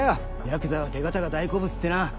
ヤクザは手形が大好物ってな。